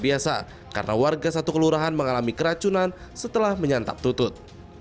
ini adalah hal yang terbiasa karena warga satu kelurahan mengalami keracunan setelah menyantap tutut